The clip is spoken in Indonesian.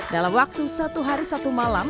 dalam waktu satu hari satu malam